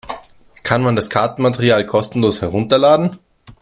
Kann man das Kartenmaterial kostenlos herunterladen?